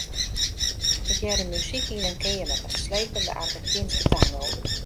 Ik hearde muzyk yn in keamer, in slepende Argentynske tango.